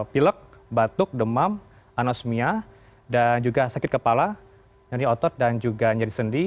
pilek batuk demam anosmia dan juga sakit kepala nyeri otot dan juga nyeri sendi